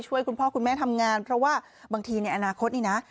คุณพ่อคุณแม่ทำงานเพราะว่าบางทีในอนาคตนี่นะ